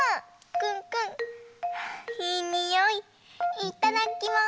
いただきます！